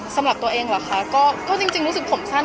สำหรับตัวเองเหรอคะก็จริงรู้สึกผมสั้น